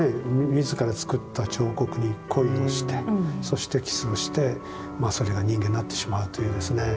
自ら作った彫刻に恋をしてそしてキスをしてそれが人間になってしまうというですね。